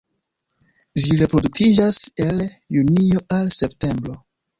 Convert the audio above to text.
Ĝi reproduktiĝas el junio al septembro.